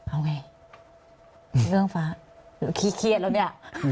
เอาไงเรื่องฟ้าหรือขี้เครียดแล้วเนี่ย